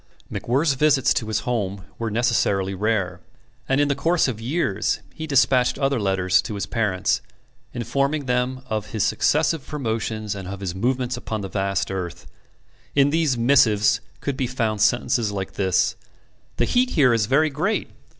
MacWhirr's visits to his home were necessarily rare, and in the course of years he despatched other letters to his parents, informing them of his successive promotions and of his movements upon the vast earth. In these missives could be found sentences like this: "The heat here is very great."